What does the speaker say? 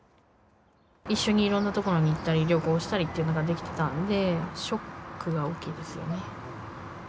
一緒にいろんな所に行ったり、旅行したりっていうのができてたんで、ショックが大きいですよね。